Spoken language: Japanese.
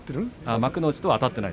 幕内とあたってない？